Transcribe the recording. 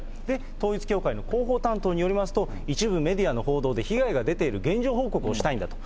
統一教会の広報担当によりますと、一部メディアの報道で被害が出ている現状報告をしたいんだと。